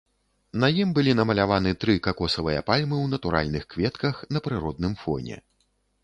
На ім былі намаляваны тры какосавыя пальмы ў натуральных кветках на прыродным фоне.